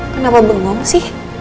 kenapa bengong sih